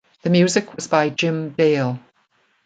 The music was by Jim Dale.